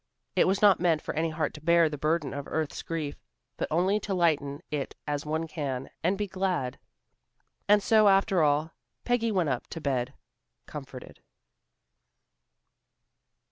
It was not meant for any heart to bear the burden of earth's grief, but only to lighten it as one can, and be glad. And so, after all, Peggy went up to bed comforted.